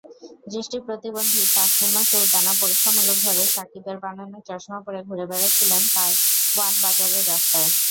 দৃষ্টিপ্রতিবন্ধী তাসনিমা সুলতানা পরীক্ষামূলকভাবে সাকিবের বানানো চশমা পরে ঘুরে বেড়াচ্ছিলেন কারওয়ান বাজারের রাস্তায়।